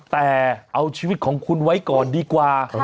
แต่เอาชีวิตของคุณไว้ก่อนดีกว่า